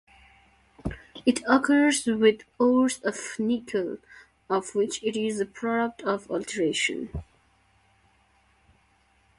It occurs with ores of nickel, of which it is a product of alteration.